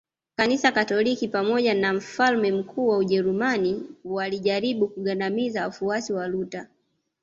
Kanisa Katoliki pamoja na mfalme mkuu wa Ujerumani walijaribu kugandamiza wafuasi wa Luther